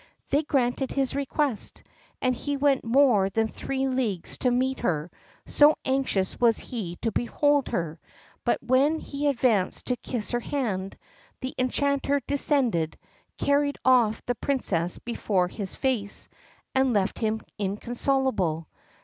They granted his request, and he went more than three leagues to meet her, so anxious was he to behold her; but when he advanced to kiss her hand, the Enchanter descended, carried off the Princess before his face, and left him inconsolable.